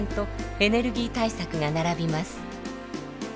エネルギー対策が並びます。